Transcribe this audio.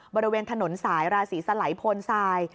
บริเวณถนนสายราศีสลัยโพนทราย